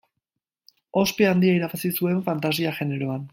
Ospe handia irabazi zuen fantasia-generoan.